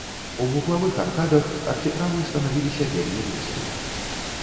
У вуглавых аркадах архітравы станавіліся вельмі вузкімі.